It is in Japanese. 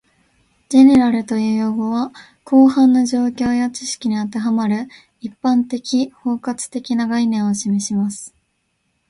"General" という用語は、広範な状況や知識に当てはまる、一般的・包括的な概念を示します